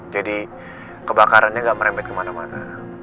jadi kebakarannya gak merempet kemana mana